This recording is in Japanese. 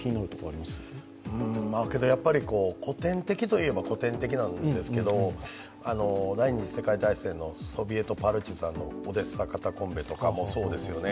けどやっぱり古典的といえば古典的ですけど第二次世界大戦のソビエト・パルチザンのオデーサカタコンベとかもそうですよね。